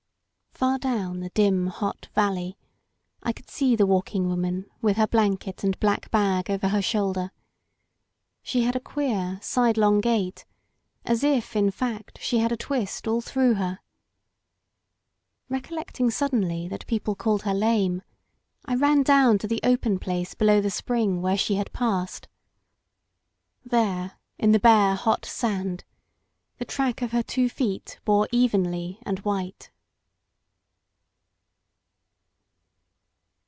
Far down the dim, hot valley I could see the Walking Woman with her blanket and black bag over her shoulder. She had a queer, sidelong gait, as if in fact she had a twist all through her. Recollecting suddenly that people called her lame, I ran down to the open place below the spring where she had passed. There in the bare, hot sand the track of her two feet bore evenly and white.